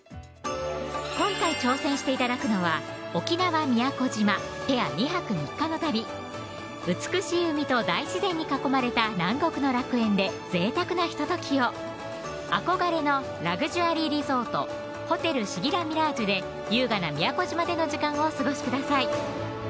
今回挑戦して頂くのは沖縄・宮古島ペア２泊３日の旅美しい海と大自然に囲まれた南国の楽園でぜいたくなひとときを憧れのラグジュアリーリゾート・ホテルシギラミラージュで優雅な宮古島での時間をお過ごしください